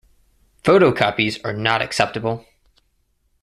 Photocopies are not acceptable.